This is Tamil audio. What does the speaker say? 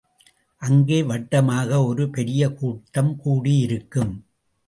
அங்கே வட்டமாக ஒரு பெரிய கூட்டம் கூடியிருக்கும்.